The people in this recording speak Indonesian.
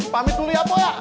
pamit dulu ya po ya